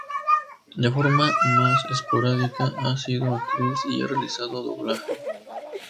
De forma más esporádica ha sido actriz y ha realizado doblaje.